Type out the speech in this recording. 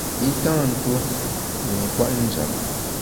I tâ ntuo i nkwet njap.